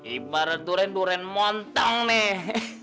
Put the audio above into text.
ibarat durian durian montang nih